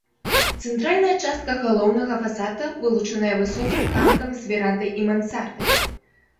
Цэнтральная частка галоўнага фасада вылучаная высокім ганкам з верандай і мансардай.